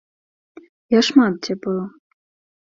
Я шмат, дзе быў.